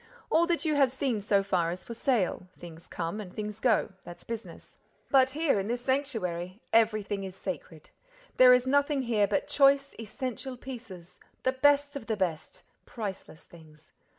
"All that you have seen so far is for sale. Things come and things go. That's business. But here, in this sanctuary, everything is sacred. There is nothing here but choice, essential pieces, the best of the best, priceless things.